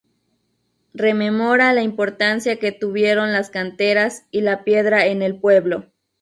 Rememora la importancia que tuvieron las canteras y la piedra en el pueblo.